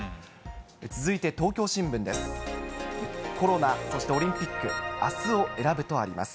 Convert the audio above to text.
続いて、東京新聞です。